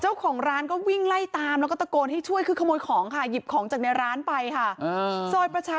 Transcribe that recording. เจ้าของร้านก็วิ่งไล่ตามแล้วก็ตะโกนให้ช่วยคือขโมยของค่ะหยิบของจากในร้านไปค่ะ